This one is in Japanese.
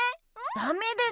ダメですよ！